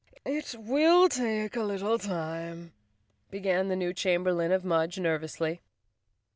" It will take a little time," began the new chamber lain of Mudge nervously.